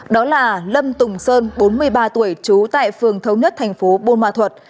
đó là lâm tùng sơn bốn mươi ba tuổi trú tại phường thấu nhất thành phố buôn ma thuật